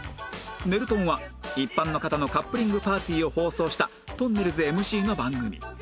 『ねるとん』は一般の方のカップリングパーティーを放送したとんねるず ＭＣ の番組